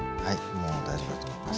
もう大丈夫だと思います。